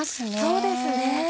そうですね。